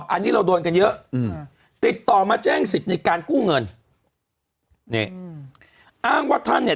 อันนี้เราโดนกันเยอะอืมติดต่อมาแจ้งสิทธิ์ในการกู้เงินนี่อืมอ้างว่าท่านเนี่ย